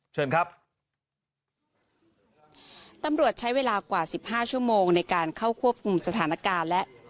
เชิญครับตำรวจใช้เวลากว่าสิบห้าชั่วโมงในการเข้าควบคุมสถานการณ์และ